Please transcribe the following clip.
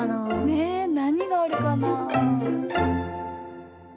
ねえなにがあるかな？